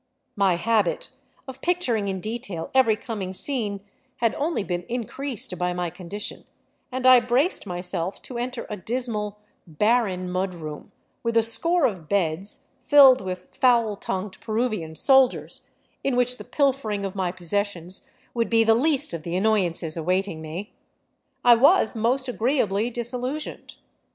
My habit of picturing in detail every coming scene had only been increased by my condition, and I braced myself to enter a dismal, barren mud room, with a score of beds filled with foul tongued Peruvian soldiers, in which the pilfering of my possessions would be the least of the annoyances awaiting me. I was most agreeably disil lusioned.